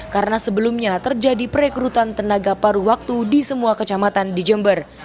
karena sebelumnya terjadi perekrutan tenaga paruh waktu di semua kecamatan di jember